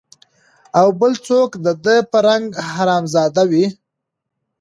او بل څوک د ده په رنګ حرامزاده وي